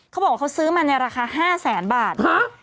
เขาบอกว่าเขาซื้อมาในราคา๕แสนบาท